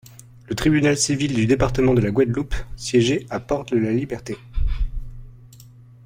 Le tribunal civil du département de la Guadeloupe siégeait à Port-de-la-Liberté.